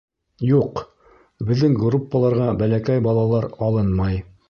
Юҡ. Беҙҙең группаларға бәләкәй балалылар алынмай.